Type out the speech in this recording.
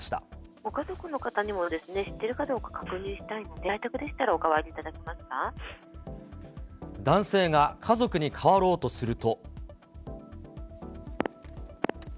ご家族の方にもですね、知ってるかどうか確認したいので、在宅でしたら、男性が家族に代わろうとすると。